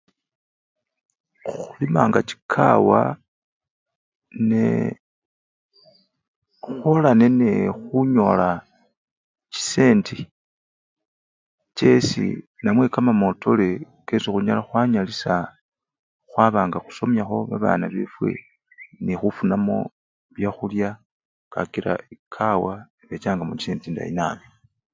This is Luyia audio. Khu khulimanga chikawa nee khukhula ne nekhunyola chisendi chesi namwe kamamotole kesikhunyala khwanyalisya khwaba nga khusomyakho babana befwe ne khufunamo byakhulya kakila ekwa ebechangamo chisende chindayi nabii.